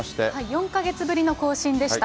４か月ぶりの更新でした。